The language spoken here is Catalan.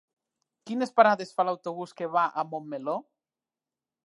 Quines parades fa l'autobús que va a Montmeló?